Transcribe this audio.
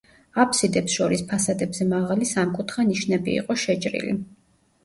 აფსიდებს შორის ფასადებზე მაღალი სამკუთხა ნიშნები იყო შეჭრილი.